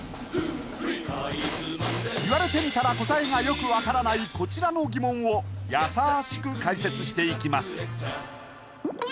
かいつまんで言われてみたら答えがよくわからないこちらの疑問をやさしく解説していきます